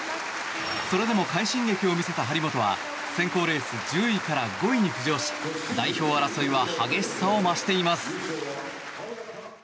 それでも快進撃を見せた張本は選考レース１０位から５位に浮上し代表争いは激しさを増しています。